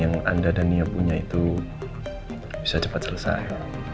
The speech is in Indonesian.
yang anda dan nia punya itu bisa cepat selesai